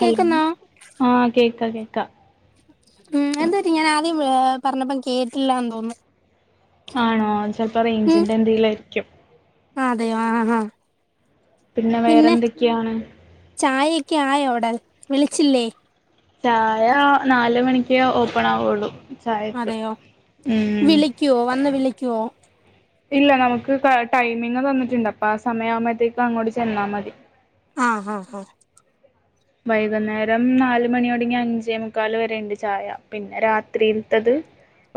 Hello കേക്കുന്നോ ആഹ് കേക്ക കേക്കാ ഉം എന്ത്‌പറ്റി ഞാൻ ആദ്യം പറഞ്ഞപ്പം കേട്ടില്ലാന്ന് തോന്നുന്നു ആണോ ചിലപ്പോ റേഞ്ചിന്റെ എന്തെങ്കലും ആരിക്കും ആ അതെയോ ആ ആഹ് പിന്നെ ചായാക്കെ ആയോട വിളിച്ചില്ലേ ചായ നാല് മണിക്ക് ഓപ്പൺ ആവുള്ളു ചായക്ക് അതെയോ വിളിക്കുവോ വന്ന് വിളിക്കുവോ ഇല്ല നമുക്ക് ടൈമിങ് തന്നിട്ടുണ്ട് അപ്പൊ ആ സമയം ആവുമ്പോഴത്തേക്കും അങ്ങോട്ട് ചെന്നാൽ മതി ആഹ് ആഹ് ആഹ് വൈകുന്നേരം നാല് മണിയോടങ്ങി അഞ്ചേ മുക്കാല് വരെണ്ട് ചായ പിന്നെ രാത്രിൽത്തത്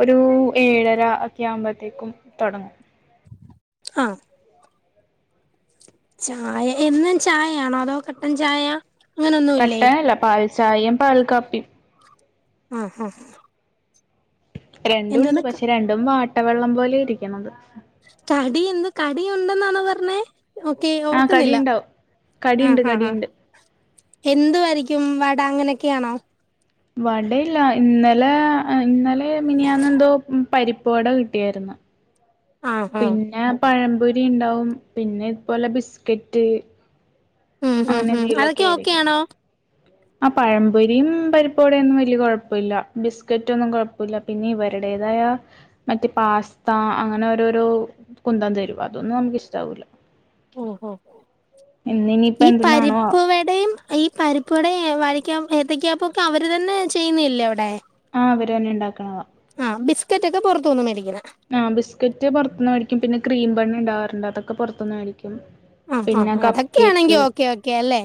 ഒരു ഏഴര ഒക്കെ ആവുമ്പോഴത്തേക്കും തുടങ്ങും ആഹ് ചായ എന്നും ചായയാണോ അതോ കട്ടൻ ചായ അങ്ങനൊന്നുല്ലേ കട്ടനല്ല പാൽചായയും പാൽ കാപ്പിയും ആഹ് ആഹ് രണ്ടും ഉണ്ട് എന്തോന്ന് പക്ഷെ രണ്ടും വാട്ടവെള്ളം പോലെ ഇരിക്കണത് കടി എന്ത് കടി ഉണ്ടെന്നാണോ പറഞ്ഞേ ഓക്കെ ആഹ് ഓർക്കുന്നില്ല കടിയുണ്ടാവും കടിയുണ്ട് ആഹ് ആഹ് കടിയുണ്ട് എന്തുവരിക്കും വട അങ്ങനെയൊക്കെയാണോ വടയില്ല ഇന്നലെ ഇന്നലെ മിനിയാന്ന്ന്തോ പരി പ്പ് വട കിട്ടിയായിരുന്നു ആഹ് ആഹ് പിന്നെ പഴംപൊരി ഉണ്ടാവും പിന്നെ ഇതുപോലെ ബിസ്കറ്റ് ഉം -അതൊക്കെ ഓക്കെയാണോ ആ പഴമ്പൊരിയും പരിപ്പടൊന്നും വലിയ കൊഴപ്പമില്ല ബിസ്കറ്റ് ഒന്നും കൊഴപ്പില്ല പിന്നെ ഇവരുടെ [unintelligible] മറ്റേ പാസ്ത അങ്ങനെ ഓരോരോ കുന്തം തരും അതൊന്നും നമുക്ക് ഇഷ്ടാവൂല ഓ ഈ എന്തെന്നാണോ പരിപ്പടയും ഈ പരിപ്പുടെ വ എ എത്തയ്ക്കപ്പോ ഒക്കെ അവർ തന്നെ ചെയ്യുന്നല്ലേ അവിടെ ആഹ് അവര്ന്നെ ഉണ്ടാക്കണതാ ആഹ് ബിസ്ക്കറ്റ് ഒക്കെ പുറത്തുന്നും മേടിക്കിണാ ആഹ് ബിസ്കറ്റ് പുറുനിന്ന് മേടിക്കും പിന്നെ ക്രീം ബൻ ഉണ്ടാവാറുണ്ട് അതൊക്കെ പുറത്തുന്ന് മേടിക്കും ആ ആ പിന്നെ അതൊക്കെ ആണെങ്കി കപ്പ്‌ക്കേക്ക് ഓക്കെ ഓക്കെ അല്ലേ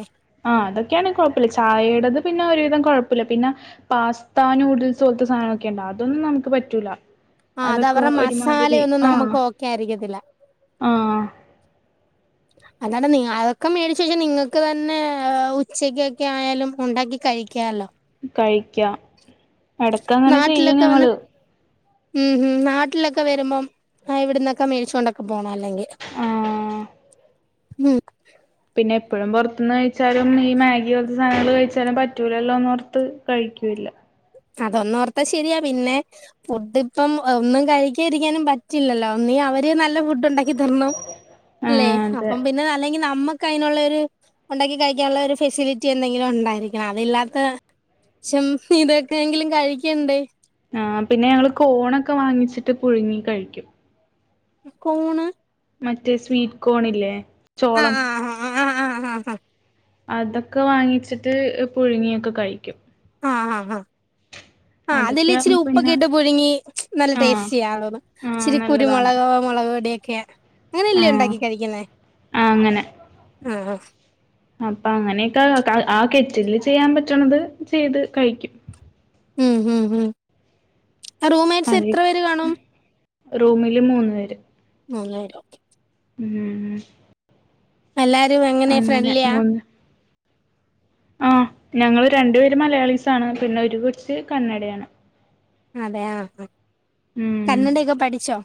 ആ അത് ക്കുഴപ്പല്ല ചായേടത് പിന്നെ ഒരുവിധം കുഴപ്പല്ല പിന്നെ പാസ്ത നൂഡിൽസ് പോലത്തെ സാധന ഒക്കെ ഉണ്ടാ അതൊന്നും നമുക്ക് പറ്റൂല ആ അതൊക്കെ അതവരുടെ ഒരുമാതിരി മസാലയൊന്നും ആഹ് നമ്മുക്ക് ഓക്കെ ആയിരിക്കത്തില്ല ആഹ് [inaudible] അതാണ് അതൊക്കെ മേടിച്ച് കഴിഞ്ഞാ നിങ്ങൾക്ക് തന്നെ ഉച്ചക്കൊക്കെ ആയാലും ഉണ്ടാക്കി കഴിക്കാല്ലോ. കഴിക്കാ എടക്ക് അങ്ങനെ ചെയ്യും നാട്ടിലൊക്കെ വന്ന് ഞങ്ങള് ഉം ഉം നാട്ടിലൊക്കെ വരുമ്പോ ഇവിടന്നൊക്കെ മേടിച്ചുകൊണ്ടൊക്കും. പോണം അല്ലെങ്കിൽ ആഹ് ഉ പിന്നെ എപ്പോഴും പുറത്തിന്ന് കഴിച്ചാലും ഈ മാഗി പോലത്തെ സാധനങ്ങൾ കഴിച്ചാലും പറ്റൂലല്ലോന്ന് ഓർത്ത് കഴിക്കൂല്ല. അതൊന്ന് ഓർത്താ ശരിയാ പിന്നെ ഫുഡ് ഇപ്പം ഒന്നും കഴിക്കാതിരിക്കാനും പറ്റില്ലല്ലോ ഒന്നി അവര് നല്ല ഫുഡ് ഉണ്ടാക്കി തരണം അല്ലേ ആഹ് അതെ അപ്പ പിന്നെല്ലെ നമ്മ അതിനുള്ളരു ഉണ്ടാക്കി കഴിക്കാനുള്ള ഒരു ഫെസിലിറ്റി എന്തെങ്കിലും ഉണ്ടായിരിക്കണം അതില്ലാത്ത. പക്ഷം ഇതൊക്കെങ്കിലും കഴിക്കണ്ടേ. ആ പിന്നെ ഞങ്ങള് കോണൊക്കെ വാങ്ങിച്ചിട്ട് പുഴുങ്ങി കഴിക്കും. കോൺ. മറ്റേ സ്വീറ്റ് കോൺ ഇല്ലേ ചോളം. ആ ആഹ ആഹ് ആ അതൊക്കെ വാങ്ങിച്ചിട്ട് പുഴുങ്ങിയൊക്കെ കഴിക്കും. ആ ആ ഹ. ആ അതില് ഇച്ചിരി അതൊക്കെയാകുമ്പോ ഉപ്പൊക്കെ പിന്നെ ഇട്ട് പുഴുങ്ങി, നല്ല ആഹ് ടേസ്റ്റിയാർന്നു ആഹ് ഇച്ചിരി നല്ലതാണ് കുരുമുക്, മുളക് പൊടി ഒക്കെ. ഓക്കെ അങ്ങനെ ഇല്ലേ ആഹ് ഉണ്ടാക്കി കഴിക്കുന്നേ ആഹ് അങ്ങനെ ആ ആ. അപ്പൊ അങ്ങനെയൊക്കെ ആ കെറ്റില്ല് ചെയ്യാൻ പറ്റണത് ചെയ്ത് കഴിക്കും. ഉം ഉം ഉം റൂംമേറ്റ്സ് അതെ എത്ര പേര് കാണും. റൂമില് മൂന്നു പേര്. മൂന്ന് പേര് ഓക്കെ. ഉം എല്ലാരും എങ്ങനെ ഫ്രണ്ട്ലിയാ. ആ ഞങ്ങള് രണ്ടു പേര് മലയാളിസാണ് പിന്നെ ഒരു കൊച്ച് കന്നഡയാണ്. അതെ ആ ആ ഉം കന്നഡൊക്കെ പഠിച്ചോ.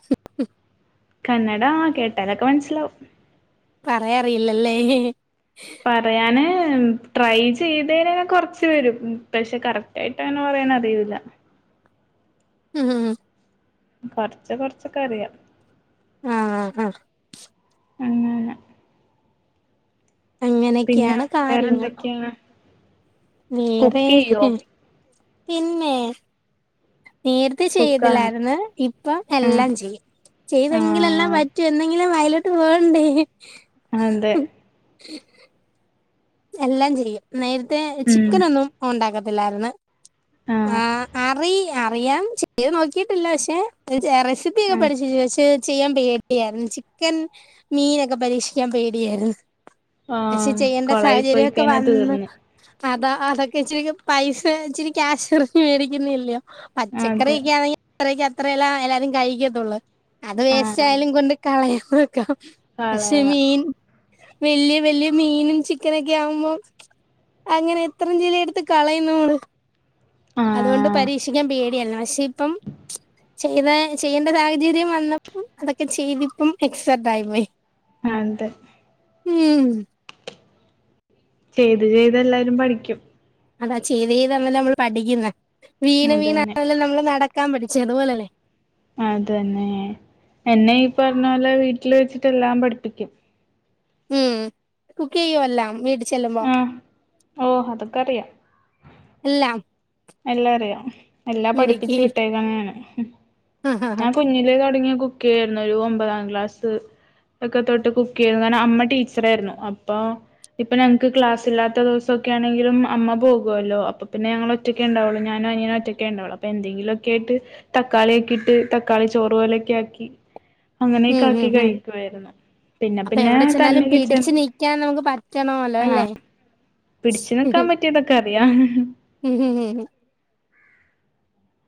കന്നഡ ആ കേട്ടാലൊക്കെ മനസ്സിലാവും. പറയാറിയില്ലല്ലേ. പറയാന് ട്രൈ ചെയ്തേന് കൊറച്ച് വരും പക്ഷെ കറക്റ്റ് ആയിട്ട് അങ്ങനെ പറ അറിയൂല്ല. ഹ് ഹ് ഉം. കൊറച്ച് കൊറച്ചൊക്കെ അറിയാം. ആ ഹ. അങ്ങന. അങ്ങനെയൊക്കെയാണ് കാര്യങ്ങൾ. വേറെന്തൊക്കെയാണ് വേറെ കുക്ക് ചെയ്യോ പിന്നെ. നേരത്തെ കുക്കാണ് ചെയ്തിലായിരുന്നു, ഇപ്പം ആ എല്ലാം ചെയ്യും. ആ ചെയ്തെങ്കിലെല്ലാം പറ്റൂ എന്തെങ്കിലും വായിലോട്ട് പോകണ്ടേ. അതെ എല്ലാം ചെയ്യും. നേരത്തെ ഉം ചിക്കനൊന്നും ഉണ്ടാക്കത്തില്ലാർന്ന് ആ അറി അറിയാം ചെയ്ത് നോക്കിട്ടില്ല പക്ഷെ അറിയ ഒക്കെ ആ പടിച്ചീന് പക്ഷേ ചെയ്യാൻ പേടിയായിരുന്നു, ചിക്കൻ മീനൊക്കെ പരീക്ഷിക്കാൻ പേടിയാര്ന്നു. ആ കൊറ് സാഹചര്യക്കെ വന്ന്. അതാ അതൊക്കെ ഇച്ചിരി പൈസ ഇച്ചിരി ക്യാഷ് ഇറങ്ങി മേടിക്കുന്നല്ലെ അതെ പച്ചക്കറിക്കൊണെങ്കിൽ അത്രക്ക് അത്രല്ല എല്ലാരും കഴിക്കത്തുള്ളൂ. അത് ആ വേസ്റ്റ് ആയാലും കൊണ്ട് കളയാന്നു വെക്കാം പക്ഷെ കളയാ മീൻ. വലിയ വലിയ മീനും ചിക്കനും ചിക്കനൊക്കെ ആവുമ്പോം അങ്ങനെ എത്രയിങ്കില് എടുത്ത് കളയും നന്മള്. ആ അതുകൊണ്ട് പരീക്ഷിക്കാൻ പേടിയണ് പക്ഷെ ഇപ്പം ചെയ്ത ചെയ്യേണ്ട സാഹചര്യം വന്നപ്പോം അതൊക്കെ ചെയ്തിപ്പം എക്സെർട് ആയി പോയി ആ അതെ ഉം ചെയ്ത് ചെയ്ത് എല്ലാരും പഠിക്കും അതാ ചെയ്ത് ചെയ്താന്ന നമ്മൾ പഠിക്കുന്നെ വീണ് വീണ അതന്നെ ആണല്ല നമ്മള് നടക്ക കാൻ പഠിച്ചേ അതുപോല്ലേന്നെ അതന്നെ എന്നെ ഈ പറഞ്ഞ പോലെ വീട്ടില് വെച്ചിട്ടെല്ലാം പഠിപ്പിച്ച് ഉം കുക്കെയോ എല്ലാം ചെല്ലുമ്പോ ആഹ ഓ അതൊക്കെ അറിയാം എല്ലാം എല്ലാം അറിയാം എല്ലാം മിടുക്കി പഠിപ്പിച്ചു വിട്ടേക്കന്ന ആണ് ആഹ് ആഹ് ഞാൻ കുഞ്ഞിലേ തുടങ്ങിയ കുക്ക് ചെയ്യാരുന്നു ഒരു ഒമ്പതാം ക്ലാസ് ഒക്കെ തൊട്ട് കുക്ക് ചെയ്യുന്നു കാരണം അമ്മ ടീച്ചർായിരുന്നു അപ്പൊ ഇപ്പൊ ഞങ്ങക്ക് ക്ലാസ് ഇല്ലാത്ത ദിവസൊക്കെ ക്കണെങ്കിലും അമ്മ പോകല്ലോ അപ്പൊ പിന്നെ ഞങ്ങളോറ്റക്ക് ഒറ്റൊക്കെണ്ടാവുള്ളൂ ഞാനും അനിയനും ഒറ്റക്കെണ്ടാവുള്ള അപ്പോ എന്തെങ്കിലൊക്കെ ട്ട് തക്കളി ഒക്കെ ഇട്ട് തക്കാളി ചോറുപോലെ ക്കാക്കി ഉം അങ്ങനെയൊക്കാക്കി ഉം ഉം കഴിക്കുവാര്ന്നു അപ്പൊ എവിടെ ചെന്നാലും പിടിച്ചു നിക്കാൻ മ്മക്ക് പറ്റണല്ലോ ആ അല്ലേ പിടിച്ചു നിക്കാൻ ഇഹ്‌ പറ്റിയതൊക്കെ അറിയാം ഇഹ്‌ ഹീ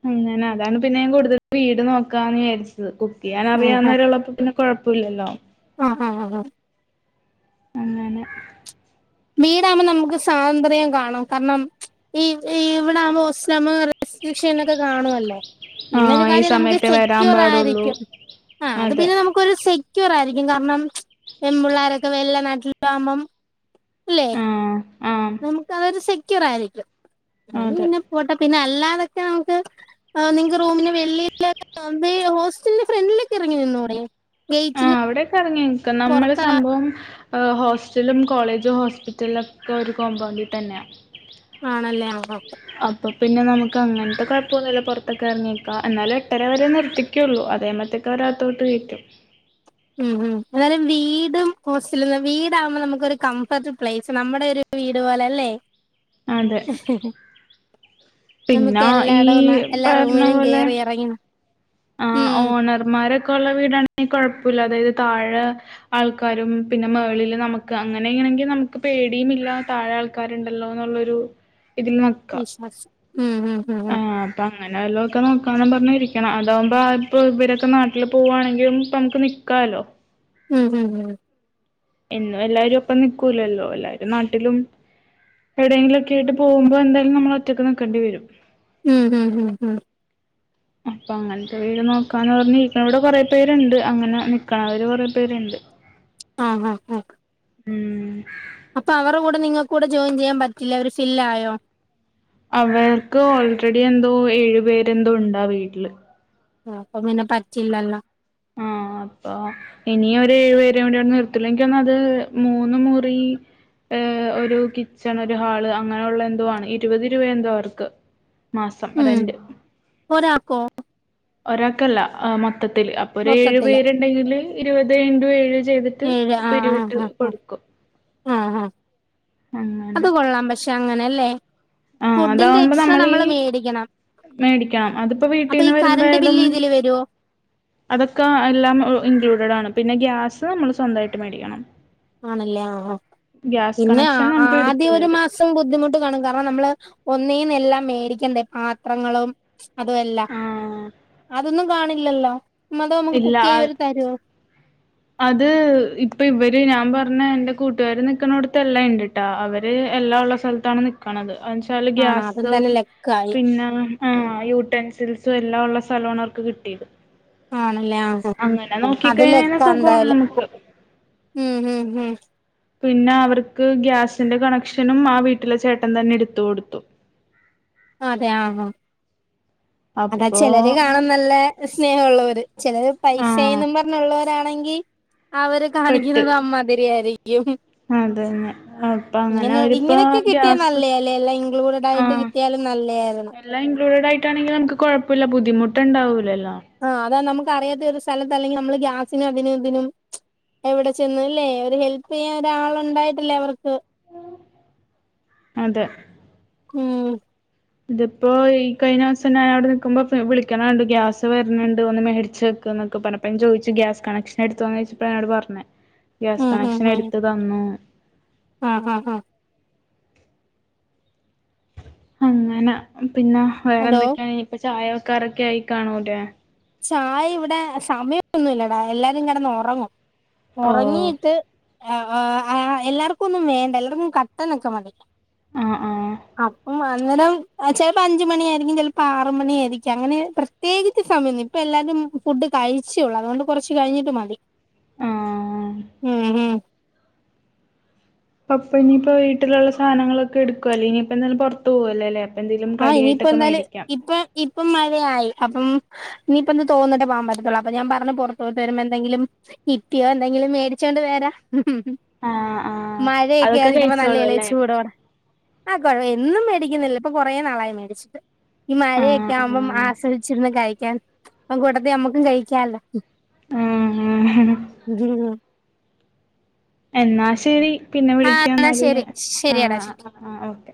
അങ്ങനെ അതാണ് പിന്നെ ഞൻ കൂടുതൽ വീട് നോക്കാന്ന് വിചാരിച്ചത് കുക്ക് ചെയ്യാൻ അറിയാവുന്നവരള്ളപ്പോ പിന്നെ കൊയപ്പോല്ലല്ലോ ആഹ ആഹ് ആഹ് അങ്ങനെ വീടാവകുമ്പോ നമുക്ക് സ്വാതന്ത്ര്യം കാണും കാരണം ഈ ഇവിടാവുമ്പോ ഒസ്ലമ പക്ഷെ എന്നൊക്കെ കാണുമല്ലോ ഇന്നരു ആഹ് ഈ കാര്യം നമുക്ക് സമയത്തെ വരാൻ സെക്യൂർ പാടുള്ളൂ ആയിരിക്കും ആ അത് അതെ പിന്നെ നമുക്കരു സെ ക്റ ആയിരിക്കും കാരണം പെണ്ണപിള്ളേരൊക്കെ വെല്ല നാട്ടിലൊക്കെ ആകുമ്പം ല്ലെ ആഹ് ആഹ് നമുക്ക് അതൊരു സെക്യൂർ ആയിരിക്കും അത് അതെ പിന്നെ പോട്ട പിന്നെ അല്ലാതൊക്കെ നമുക്ക് ആ നിങ്ങക്ക് റൂമിന് വെള്ളിലൊക്കെ ഹോസ്റ്റലിന്റെ ഫ്രണ്ടിലൊക്കെ ഇറങ്ങി നിന്നോടെ ആഹ അവിടെക്കെ ഇറങ്ങി നിക്ക നമ്മള് പുറത്ത സംഭവം ഹോസ്റ്റലും കോളേജും ഹോസ്പിറ്റല ഒക്കെ ഒരു കോമ്പണ്ടി തന്നെയാ ആണല്ലേ ആഹാ അപ്പൊ പിന്നെ നമുക്ക് അങ്ങനത്തെ കുഴപ്പൊന്നുമില്ല പുറത്തൊക്കെ ഇറങ്ങിക്കാം എന്നാലും എട്ടര വരെ നിർത്തിക്കയുള്ള അതെമര്ത്തേക്കവരെ അകത്തോട്ട് വിളിക്കും ഉം ഹം അായാലം വീടും ഹോസ്റ്റല വീടാകുമ്പോൾ നമുക്കൊരു കംഫർട്ട് പ്ലേസ് നമ്മുടെ ഒരു വീട് പോലല്ലേ പിന്നാ ഈ പറഞ്ഞ റൂമിലും പോലെ കേറി ഇറങ്ങി ആഹ ഉം ഓണർമാരെ ള്ള വീടാണെ കുഴപ്പമില്ല അതായത് താഴെ ആൾക്കാരും പിന്നെ മേളിൽ നമുക്ക് അങ്ങനെ എങ്കിൽ നമുക്ക് പേടിയും ഇല്ല താഴെ ആൾക്കാരുണ്ടല്ലോന്നുള്ളരു ഇതിൽ നിക്കാം വിശ്വാസം ഉം ഉം ഉം ആഹ് അപ്പ അങ്ങനെ വല്ലോ ഒക്കെ നോക്കാ പറഞ്ഞിരിക്കണം അതാകുമ്പോ ഇവരൊക്കെ നാട്ടിൽ പോകവാണെങ്കിൽ നമുക്ക് നിക്കാം ആല്ലൊ ഉം ഉം ഉം എന്നും എല്ലാരും ഒപ്പം നിക്കൂലല്ലോ എല്ലാരും നാട്ടിലും എവിടെയെങ്കിലും ഒക്കെ ആയിട്ട് പോകുമ്പോ എന്തായാലും നമ്മൾ ഒറ്റക്ക് നിൽക്കേണ്ടി വരും ഉം ഉം അപ്പൊ അങ്ങനത്തെ വീട് നോക്കാന്ന് പറഞ് നിക്കണ ഇവിടെ കൊറെ പേരുണ്ട് അങ്ങനെ നിക്കണവര് കൊറെ പേരുണ്ട് ആഹ ആഹ് ആഹ മം അപ്പൊ അവരെ കൂടെ നിങ്ങക്കൂടെ ജോയിൻ ചെയ്യാൻ പറ്റില്ലേ ഒര് ഫില്ലായോ? അവർക്ക് ഓൾറെഡി എന്തോ ഏഴു പേരെന്തോ ഉണ്ടാ വീട്ടില് ആ അപ്പൊ പിന്നെ പറ്റില്ലല്ലോ? ആഹ് അപ്പൊ ഇനിയൊര് ഏഴുപേരെ കൂടി അവിടെ നിർത്തില്ല എനിക്കൊന്നുന്നു അത് മൂന്ന് മുറി ഏ ഒരു കിച്ചൺ ഒരു ഹാള് അങ്ങനെയു ള്ള എന്തോ ആണ് ഇരുപത് രൂപ എന്തോ അവർക്ക് മാസം ഉം റെന്റ് ഒരാക്കോ ഒരാക്കല്ല അ മൊത്തത്തില് അപ്പൊ ഒരു ഏഴു മൊത്തത്തില് പേരുണ്ടെങ്കില് ഇരുപതെ ഇന്റു ഏഴ് ചെയ്തിട്ട് ഏത് ആ ആ പിരിവിട്ട് ആഹ് കൊടുക്കും ഹ ഹ ഹ അങ്ങനെ ക്ഷെ അങ്ങനെല്ലേ ആഹ് ഫുഡിന്റെ അതാവുമ്പോ എക്സ്ട്രാ നമ്മളീ നമ്മൾ മേടിക്കണം. മേടിക്കണം അതിപ്പോ അപ്പൊ ഈ വീട്ടീന്ന് വരുമ്പോൾ കറണ്ട് ആയാലും. ബില്ല് ഇതില് വരുവോ? അതൊക്കെ എല്ലാം ഇൻക്ലൂഡഡ് ആണ് പിന്നെ ഗ്യാസ് നമ്മള് സ്വന്തമായിട്ട് മേടിക്കണം. ആണല്ലേ അ അ ഗ്യാസ് പിന്നെ കണക്ഷൻ നമുക്ക് എടുത്തു ആദ്യൊരു തരും മാസം ബുദ്ധിമുട്ട് കാണും കാരണം നമ്മള് ഒനീന്നെല്ലാം മേടിക്കെണ്ടേ പാത്രങ്ങളും അതു എല്ലാം ആഹ് അതൊന്നും കാണില്ലല്ലോ അതോ മക്ക് ഇല്ല കുക്ക് ചെയ്യാൻ അവർ തരോ? അത് ഇപ്പൊ ഇവര് ഞാൻ പറഞ്ഞ എന്റെ കൂട്ടുകാര് നിക്കണോട്തല്ലാ എന്റേട്ടോ അവര് എല്ലാം ഉള്ള സ്ഥലത്താണ് നിക്കണത് അവെച്ചാല് ആണോ അതും ഗ്യാസും തന്നെ ലക്കായി പിന്നെ ആ യൂട്ടൻസിൽസും എല്ലാം ഉള്ള സ്ഥലണവർക്ക് കിട്ടിത്. അല്ലാ നോക്കിക്കഴിഞ്ഞാൽ അതിലൊക്കെ സുഖമാണ് എന്തായാലും നമുക്ക് ഹ്മ് ഹ് ഹ് പിന്നെ അവർക്ക് ഗ്യാസിന്റെ കണക്ഷനും ആ വീട്ടിലെ ചേട്ടൻ തന്നെ എടുത്തു കൊടുത്തു. അതെ ആ ഹാ അതാ അപ്പോ ചെലര് കാണും നല്ലേ സ്നേഹുള്ളവർ ചിലര് ആഹ് പൈസെന്നും പറഞ്ഞുള്ളവരാണെങ്കിൽ അവര് കാണിക്കുന്നത് അമ്മാതിരി ആയിരിക്കും. അതെന്നെ അപ്പ അങ്ങനെ അവരിപ്പ ഇങ്ങനെയൊക്കെ കിട്ടിയാ ഗ്യാസ് നല്ലയാല്ലേ എല്ലാം ഇൻക്ലൂഡഡ് ആ ആയിട്ട് കിട്ടിയാലും നല്ലയായിരുന്നു എല്ലാം ഇൻക്ലൂഡഡ് ആയിട്ടാണെങ്കിൽ നമുക്ക് കുഴപ്പമില്ല ബുദ്ധിമുട്ട്ണ്ടാവൂല്ലല്ലോ? ആഹ് അതാ നമുക്ക് അറിയാത്ത ഒരു സ്ഥലത്ത് അല്ലെങ്കിൽ നമ്മള് ഗ്യാസിനും അതിനും ഇതിനും എവിടെ ചെന്നുല്ലേ അവര് ഹെൽപ് ചെയ്യാൻ ഒരാളുണ്ടായിട്ടല്ലേ അവർക്ക് അതെ മം ഇതിപ്പോ ഈ കഴിഞ്ഞ ദിവസം ഞാൻ അവിടെ നിക്കുമ്പോ വിളിക്കണണ്ടു ഗ്യാസ് വരനുണ്ട വന്ന് മേടിച്ച് ഇത്‌നൊക്കെ പറഞ്ഞപ്പോ ഞാൻ ചോയിച്ചു ഗ്യാസ് കണക്ഷൻ എടുത്തോന്ന് ചോയിച്ചപ്പോണാ പറഞ്ഞത് ഗ്യാസ് കണക്ഷൻ എടുത്ത് തന്നു. ആ ഹാ ഹാ അങ്ങനെ പിന്നെ ഹലോ വേറെന്തൊക്കെയാണി ഇപ്പ ചായക്കാരൊക്കെ ആയി കാണൂലേ,? ഒന്നുംല്ലടാ എല്ലാരും കിടന്ന് ഉറങ്ങും ഓ ഉറങ്ങിട്ട് ആ ആ ആ എല്ലാർക്കൊന്നും വേണ്ട എല്ലാർക്കും കട്ടനൊക്കെ മതി ആഹ് ആഹ് അപ്പം അന്നേരം ചെലപ്പോ അഞ്ച് മണിയായിരിക്കും ചിലപ്പോ ആറ് മണി ആയിരിക്കും അങ്ങനെ പ്രത്യേകിച്ച് സമയൊന്നുല്ല ഇപ്പോ എല്ലാരും ഫുഡ് കഴിച്ചെള്ളൂ അതോണ്ട് കുറച്ച് കഴിഞ്ഞിട്ട് മതി ആഹ് ഉം ഉം പപ്പൊ ഇനിയിപ്പോ വീട്ടിലുള്ള സാധങ്ങളൊക്കെ എടുക്കുവ അല്ലേ ഇനിയിപ്പ എന്താലുംപുറത്ത് പോവല്ലല്ലേ ആ ഇനിയിപ്പോ എന്തായാലും ഇപ്പം ഇപ്പം മഴയായി അപ്പം ഇനിയിപ്പൊ എന്ത് തോന്ന്ട്ടേ പോവാൻ പറ്റതൊള്ളൂ അപ്പൊഞാൻ പറഞ്ഞു പൊട്ടത്തോട്ട് വെരുമ്പോ എന്തെങ്കിലും കിട്ടിയോ എന്തെങ്കിലും മേടിച് ചോണ്ട് വേരാ ആഹ് ആഹ് മഴയൊക്കെ അതൊക്കെ ആയിരിക്കുമ്പോ നല്ല കഴിച്ചോളൂ ഇള അല്ലേ ചൂടോടെ ആ കൊയ എന്നും മേടി ന്നില്ല ഇപ്പൊ കുറേ നാളായി മേടിച്ചിട്ട് ഈ മഴയൊക്കെ ആഹ് ആവുമ്പം ആഹ് ആസ്വദിച്ചിര്ന്ന് കഴിക്കാൻ അകൂട്ടത്തി അമ്മക്കും ആഹ് കഴിക്ക്യലോ എന്നാ ശെരി പിന്നെ ആ എന്നാ വിളിക്ക്യന്നാല് ശരി എ ആ ശരിയടാ ശരി ആ ഓക്കെ.